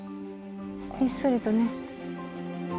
ひっそりとね。